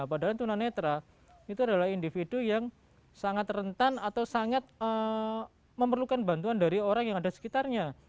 padahal tunanetra itu adalah individu yang sangat rentan atau sangat memerlukan bantuan dari orang yang ada sekitarnya